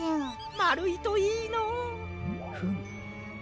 まるいといいのう。フム。